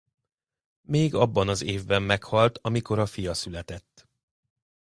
Még abban az évben meghalt amikor a fia született.